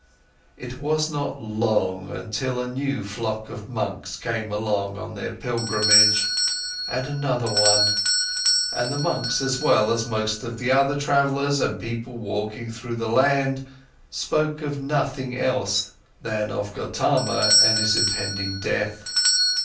It was not long, until a new flock of monks came along on their pilgrimage, and another one, and the monks as well as most of the other travellers and people walking through the land spoke of nothing else than of Gotama and his impending death.